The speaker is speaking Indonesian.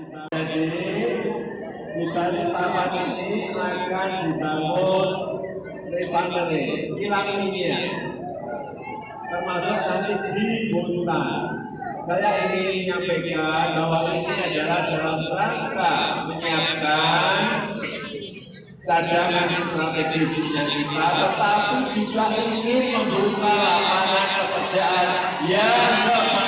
tetapi jika ingin membuka lapangan pekerjaan ya semangat banyak